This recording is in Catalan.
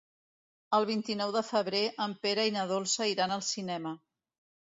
El vint-i-nou de febrer en Pere i na Dolça iran al cinema.